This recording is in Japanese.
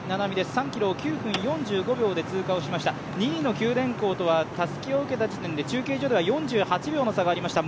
３ｋｍ、９分４５秒で通過をしていきました、２位の九電工とはたすきを受けた時点で、中継所では４８秒の差がありました。